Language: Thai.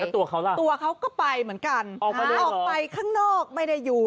แล้วตัวเขาล่ะตัวเขาก็ไปเหมือนกันออกไปด้วยเหรอออกไปข้างนอกไม่ได้อยู่